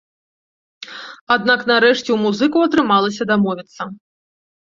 Аднак нарэшце ў музыкаў атрымалася дамовіцца.